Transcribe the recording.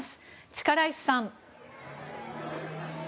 力石さん。